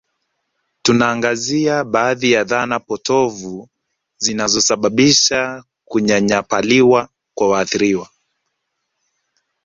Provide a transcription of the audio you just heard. Tunaangazia baadhi ya dhana potofu zinazosababisha kunyanyapaliwa kwa waathiriwa